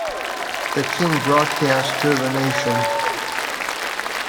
The King broadcast to the nation.